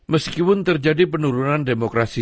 meskipun terjadi penurunan demokrasi